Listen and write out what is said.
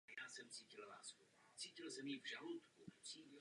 Toto rozhodnutí se heterosexuálních partnerů týkalo již po desetiletí.